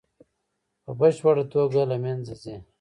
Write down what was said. په بشپړه توګه له منځه ځي.